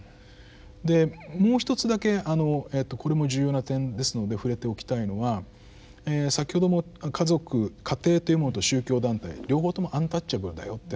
でもうひとつだけこれも重要な点ですので触れておきたいのが先ほども家族家庭というものと宗教団体両方ともアンタッチャブルだよっていう話をしました。